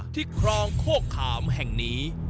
ครองโคกขามแห่งนี้